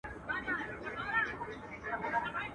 بیا میندل یې په بازار کي قیامتي وه.